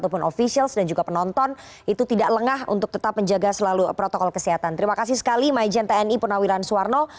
penjelasannya pak suwarno